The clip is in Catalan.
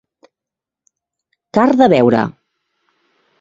Car de veure.